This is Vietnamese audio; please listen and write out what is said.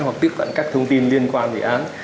hoặc tiếp cận các thông tin liên quan vụ án